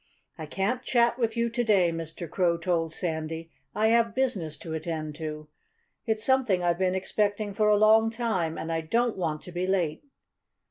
"I can't chat with you to day," Mr. Crow told Sandy. "I have business to attend to. It's something I've been expecting for a long time. And I don't want to be late."